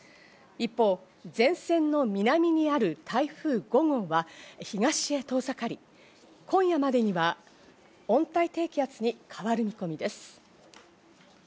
一方、前線の南にある台風５号は東へ遠ざかり、今夜までには温帯低気圧に変わる見込みです。